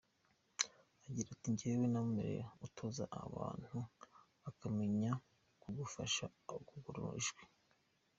Agira ati “Njyewe namumenye atoza abantu akamenya kugufasha kugorora ijwi.